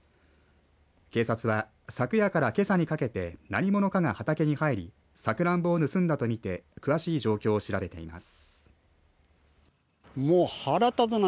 警察は、昨夜からけさにかけて何者かが畑に入りさくらんぼを盗んだと見て詳しい状況を調べています。